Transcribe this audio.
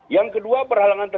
yang kedua peralangan tetap